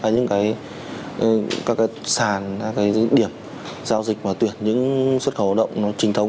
những sàn những điểm giao dịch và tuyển những xuất khẩu đạo trình thống